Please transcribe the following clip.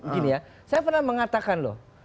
gini ya saya pernah mengatakan loh